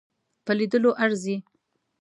په لیدلو ارزي.